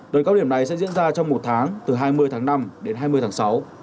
đợt cao điểm này sẽ diễn ra trong một tháng từ hai mươi tháng năm đến hai mươi tháng sáu